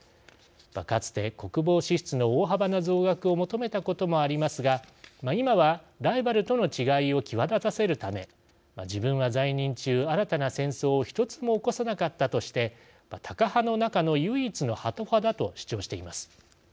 かつて国防支出の大幅な増額を求めたこともありますが今はライバルとの違いを際立たせるため自分は在任中新たな戦争を１つも起こさなかったとしてタカ派の中の唯一のハト派だと主張しています。